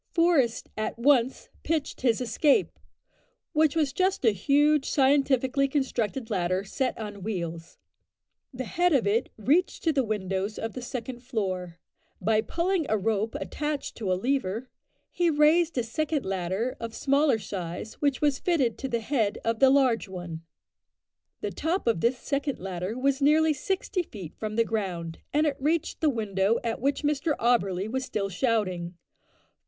Forest at once pitched his escape which was just a huge scientifically constructed ladder, set on wheels. The head of it reached to the windows of the second floor. By pulling a rope attached to a lever, he raised a second ladder of smaller size, which was fitted to the head of the large one. The top of this second ladder was nearly sixty feet from the ground, and it reached the window at which Mr Auberly was still shouting.